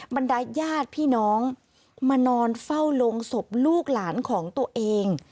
บรรดายญาติพี่น้องมานอนเฝ้าลงศพลูกหลานของตัวเอง